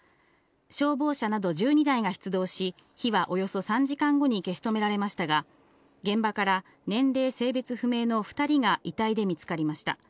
消防車など１２台が出動し、火は、およそ３時間後に消し止められましたが、現場から年齢性別不明の２人が遺体で見つかりました。